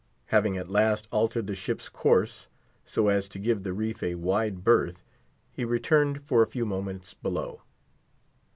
Having at last altered the ship's course, so as to give the reef a wide berth, he returned for a few moments below.